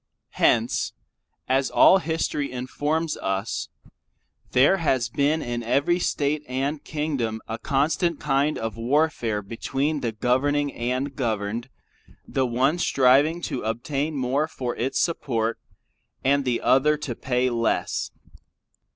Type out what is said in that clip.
Hence as all history informs us, there has been in every State & Kingdom a constant kind of warfare between the governing & governed: the one striving to obtain more for its support, and the other to pay less.